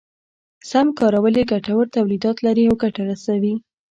سم کارول يې ګټور توليدات لري او ګټه رسوي.